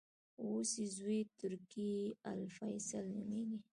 اوس یې زوې ترکي الفیصل نومېږي.